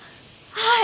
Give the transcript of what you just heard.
はい！